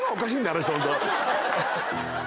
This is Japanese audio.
あの人ホント。